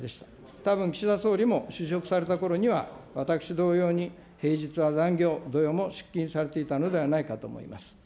たぶん岸田総理も、就職されたころには、私同様に平日は残業、土曜も出勤されていたのではないかと思います。